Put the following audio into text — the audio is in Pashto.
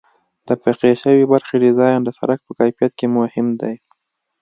د پخې شوې برخې ډیزاین د سرک په کیفیت کې مهم دی